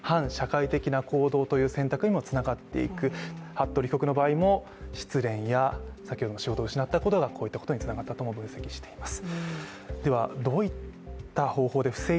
服部被告の場合も失恋や仕事を失ったことも、こういったことにつながったと分析しています